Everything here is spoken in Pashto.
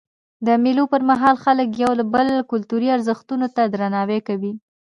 د مېلو پر مهال خلک د یو بل کلتوري ارزښتو ته درناوی کوي.